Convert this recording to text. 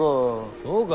そうか？